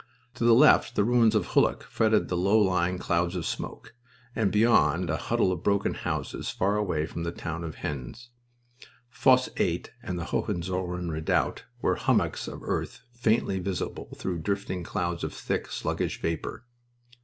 To the left the ruins of Hulluch fretted the low lying clouds of smoke, and beyond a huddle of broken houses far away was the town of Haisnes. Fosse 8 and the Hohenzollern redoubt were hummocks of earth faintly visible through drifting clouds of thick, sluggish vapor.